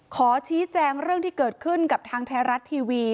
ขอชี้แจงเรื่องที่เกิดขึ้นกับทางไทยรัฐทีวี